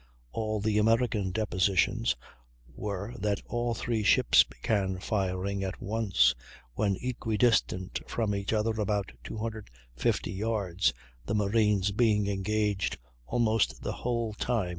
All the American depositions were that all three ships began firing at once, when equidistant from each other about 250 yards, the marines being engaged almost the whole time.